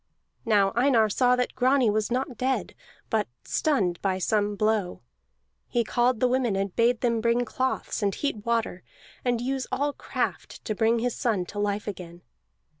Now Einar saw that Grani was not dead, but stunned by some blow. He called the women and bade them bring cloths, and heat water, and use all craft to bring his son to life again.